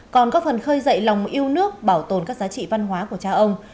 còn có phần khơi dậy lòng yêu nước bảo tồn các giá trị văn hóa của cha ông